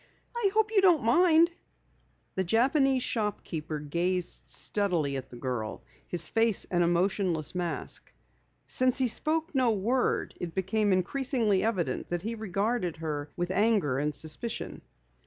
"I hope you don't mind." The Japanese shopkeeper gazed steadily at the girl, his face an emotionless mask. Since he spoke no word, it became increasingly evident that he regarded her with anger and suspicion.